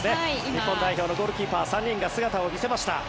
日本代表のゴールキーパー３人が姿を見せました。